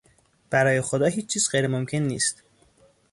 برای خدا هیچ چیز غیرممکن نیست.